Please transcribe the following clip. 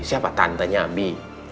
siapa tantanya abi